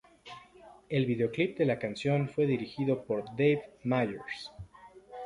El videoclip de la canción fue dirigido por Dave Meyers.